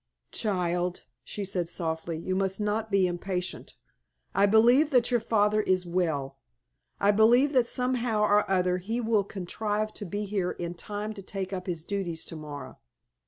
"Child," she said, softly, "you must not be impatient. I believe that your father is well. I believe that somehow or other he will contrive to be here in time to take up his duties to morrow.